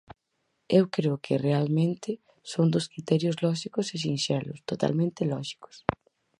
Eu creo que, realmente, son dous criterios lóxicos e sinxelos, totalmente lóxicos.